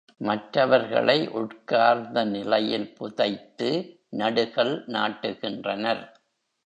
மற்றவர்களை உட்கார்ந்த நிலையில் புதைத்து நடுகல் நாட்டுகின்றனர்.